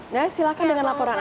nah silahkan dengan laporan anda